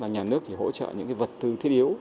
nhà nước chỉ hỗ trợ những vật thư thiết yếu